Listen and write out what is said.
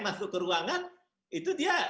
masuk ke ruangan itu dia